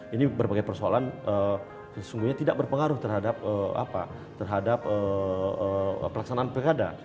ini berbagai persoalan sesungguhnya tidak berpengaruh terhadap pelaksanaan pilkada